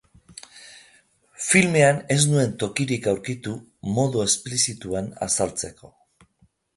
Filmean ez nuen tokirik aurkitu modu explizituan azaltzeko.